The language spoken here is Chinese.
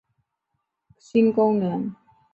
全新的使用者界面包括黑夜模式等多项新功能。